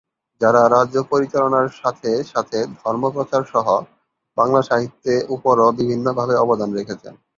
যারা রাজ্য পরিচালনার সাথে সাথে ধর্ম প্রচার সহ বাংলা সাহিত্যে উপরও বিভিন্ন ভাবে অবদান রেখেছেন।